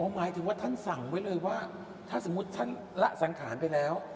หมายถึงว่าท่านสั่งไว้เลยว่าถ้าสมมุติท่านละสังขารไปแล้ว